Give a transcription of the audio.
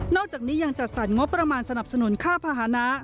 อกจากนี้ยังจัดสรรงบประมาณสนับสนุนค่าภาษณะ